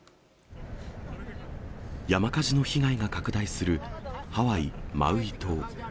山火事の被害が拡大するハワイ・マウイ島。